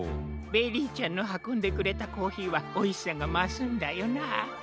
ベリーちゃんのはこんでくれたコーヒーはおいしさがますんだよなあ。